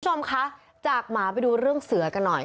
คุณผู้ชมคะจากหมาดูเรื่องเสือกันหน่อย